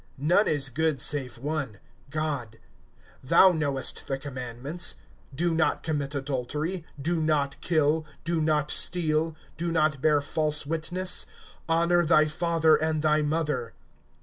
None is good save one, God. (20)Thou knowest the commandments: Do not commit adultery, Do not kill, Do not steal, Do not bear false witness, Honor thy father and thy mother.